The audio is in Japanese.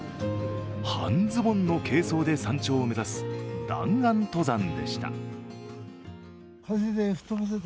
半ズボンの軽装で山頂を目指す弾丸登山でした。